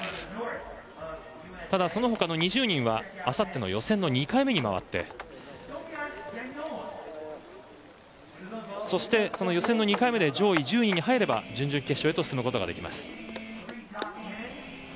ただその他の２０人はあさっての予選の２回目に回ってそして、その予選の２回目で上位１０人に入れば準々決勝へと進むことができます。